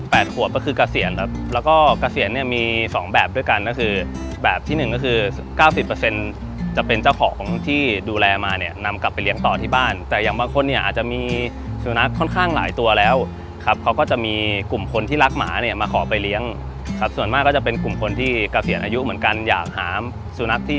ขวบก็คือเกษียณครับแล้วก็เกษียณเนี่ยมีสองแบบด้วยกันก็คือแบบที่หนึ่งก็คือเก้าสิบเปอร์เซ็นต์จะเป็นเจ้าของของที่ดูแลมาเนี่ยนำกลับไปเลี้ยงต่อที่บ้านแต่อย่างบางคนเนี่ยอาจจะมีสุนัขค่อนข้างหลายตัวแล้วครับเขาก็จะมีกลุ่มคนที่รักหมาเนี่ยมาขอไปเลี้ยงครับส่วนมากก็จะเป็นกลุ่มคนที่เกษียณอายุเหมือนกันอยากหาสุนัขที่